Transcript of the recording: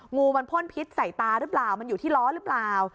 งูมันพ่นพิษใส่ตาหรือเปล่ามันอยู่ที่ล้อหรือเปล่า